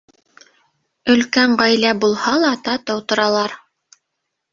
Өлкән ғаилә булһа ла, татыу торалар.